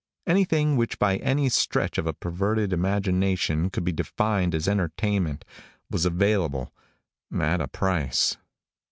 Anything which by any stretch of a perverted imagination could be defined as entertainment was available at a price.